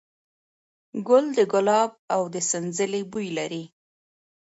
ګل د ګلاب او د سنځلې بوی لري.